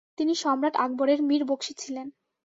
তিনি সম্রাট আকবরের মীর বকশি ছিলেন।